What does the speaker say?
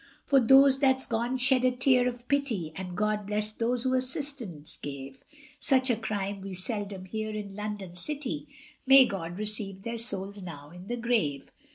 For those that's gone shed a tear of pity, And God bless those who assistance gave, Such a crime we seldom hear in London city, May God receive their souls now in the grave.